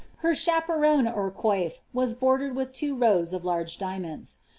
Ber chaperon or coif was borderMl with two rows of kige diamonds.